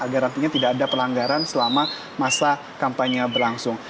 agar nantinya tidak ada pelanggaran selama masa kampanye berlangsung